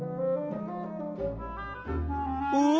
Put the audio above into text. お？